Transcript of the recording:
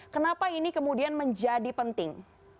kenapa ini kemudian menjadi penting